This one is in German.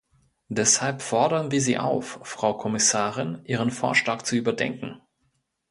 Deshalb fordern wir Sie auf, Frau Kommissarin, Ihren Vorschlag zu überdenken.